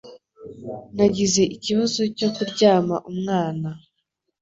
Nagize ikibazo cyo kuryama umwana.